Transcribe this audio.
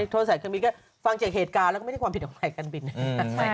โทษสายการบินก็ฟังจากเหตุการณ์แล้วก็ไม่ได้ความผิดของใครการบิน